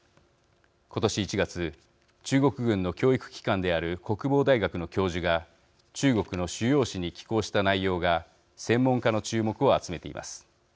ことし１月中国軍の教育機関である国防大学の教授が中国の主要紙に寄稿した内容が専門家の注目を集めています。